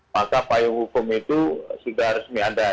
maka payung hukum itu sudah resmi ada